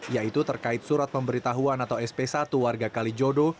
yaitu terkait surat pemberitahuan atau sp satu warga kalijodo